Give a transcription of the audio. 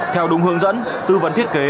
theo đúng hướng dẫn tư vấn thiết kế